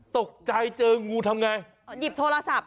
ตกใจเจองูทำไงหยิบโทรศัพท์